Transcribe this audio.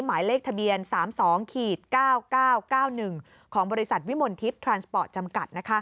หมายเลขทะเบียน๓๒๙๙๙๙๑ของบริษัทวิมลทิพย์ทรานสปอร์ตจำกัด